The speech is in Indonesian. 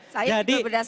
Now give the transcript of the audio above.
saya juga berdasarkan bps